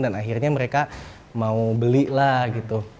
dan akhirnya mereka mau beli lah gitu